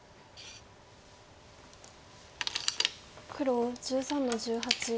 黒１３の十八。